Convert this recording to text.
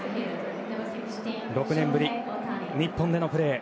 ６年ぶり、日本でのプレー。